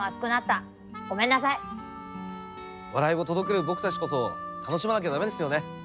笑いを届ける僕たちこそ楽しまなきゃ駄目ですよね。